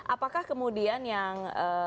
apakah kemudian yang